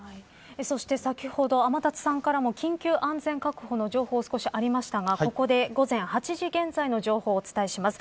そして先ほど、天達さんからも緊急安全確保の情報が少しありましたがここで午前８じ現在の情報をお伝えします。